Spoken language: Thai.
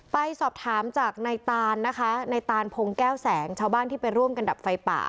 ไปสอบถามจากในตานนะคะในตานพงแก้วแสงชาวบ้านที่ไปร่วมกันดับไฟป่า